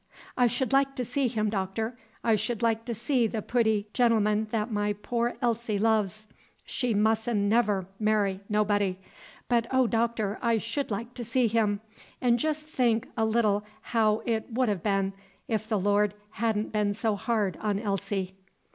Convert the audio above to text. "I should like to see him, Doctor, I should like to see the pooty gen'l'm'n that my poor Elsie loves. She mus 'n' never marry nobody, but, oh, Doctor, I should like to see him, 'n' jes' think a little how it would ha' been, if the Lord had n' been so hard on Elsie."